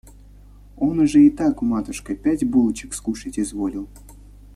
Он уже и так, матушка, пять булочек скушать изволил.